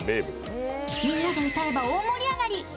みんなで歌えば大盛り上がり。